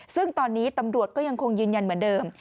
ซึ่งตอนนี้ตำรวจก็ยังคงยืนยันเหมือนเดิม